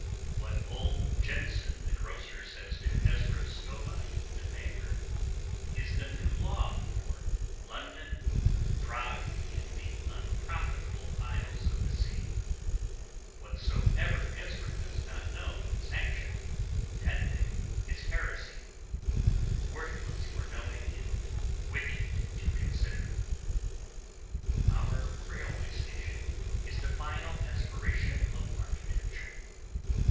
What Ole Jenson the grocer says to Ezra Stowbody the banker is the new law for London, Prague, and the unprofitable isles of the sea; whatsoever Ezra does not know and sanction, that thing is heresy, worthless for knowing and wicked to consider. Our railway station is the final aspiration of architecture.